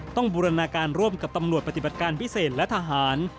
บูรณาการร่วมกับตำรวจปฏิบัติการพิเศษและทหาร